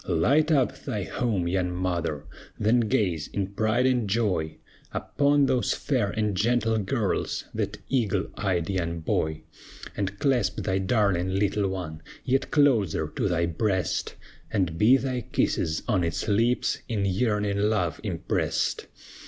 Light up thy home, young mother! Then gaze in pride and joy Upon those fair and gentle girls, That eagle eyed young boy; And clasp thy darling little one Yet closer to thy breast, And be thy kisses on its lips In yearning love impressed.